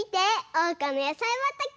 おうかのやさいばたけ！